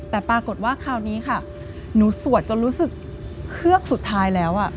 แต่ปรากฏว่าคราวนี้ค่ะหนูสวดจนรู้สึกเฮือกสุดท้ายแล้ว